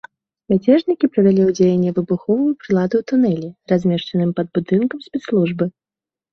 Мяцежнікі прывялі ў дзеянне выбуховую прыладу ў тунэлі, размешчаным пад будынкам спецслужбы.